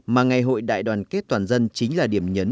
mà ngày hội đại đoàn kết toàn dân chính là điểm nhấn